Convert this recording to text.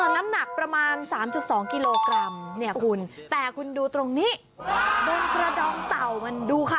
น้ำหนักประมาณ๓๒กิโลกรัมเนี่ยคุณแต่คุณดูตรงนี้บนกระดองเต่ามันดูค่ะ